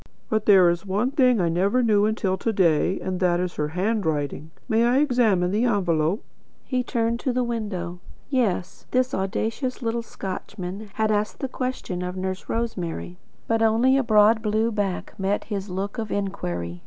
But there is one thing I never knew until to day and that is her handwriting. May I examine this envelope?" He turned to the window; yes, this audacious little Scotchman had asked the question of Nurse Rosemary. But only a broad blue back met his look of inquiry.